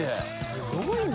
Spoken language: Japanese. すごいな。